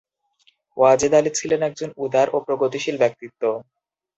ওয়াজেদ আলী ছিলেন একজন উদার ও প্রগতিশীল ব্যক্তিত্ব।